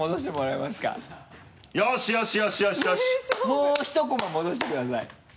もう１コマ戻してください。